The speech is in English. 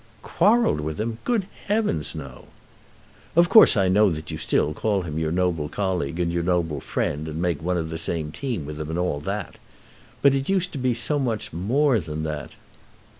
"Quarrelled with him! Good heavens, no." "Of course I know you still call him your noble colleague, and your noble friend, and make one of the same team with him and all that. But it used to be so much more than that."